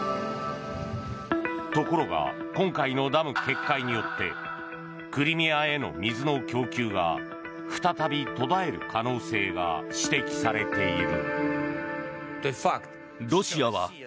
ところが今回のダム決壊によってクリミアへの水の供給が再び途絶える可能性が指摘されている。